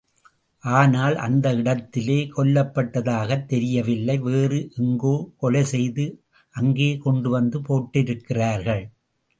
ஆனால் அந்த இடத்திலே கொல்லப்பட்டதாகத் தெரியவில்லை, வேறு எங்கோ கொலைசெய்து அங்கே கொண்டுவந்து போட்டிருக்கிறார்கள்.